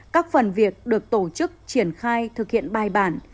các phần việc được tổ chức triển khai thực hiện bài bản